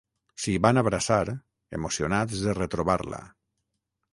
S'hi van abraçar, emocionats de retrobar-la.